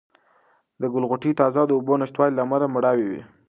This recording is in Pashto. د ګل غوټۍ د تازه اوبو د نشتوالي له امله مړاوې وې.